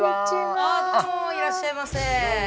あどうもいらっしゃいませ。